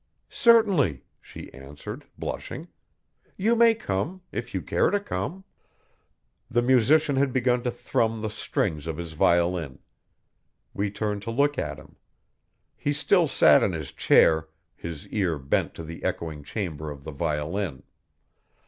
'Certainly,' she answered, blushing, 'you may come if you care to come. The musician had begun to thrum the strings of his violin. We turned to look at him. He still sat in his chair, his ear bent to the echoing chamber of the violin.